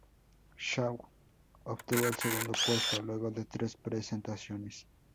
Shaw obtuvo el segundo puesto luego de tres presentaciones.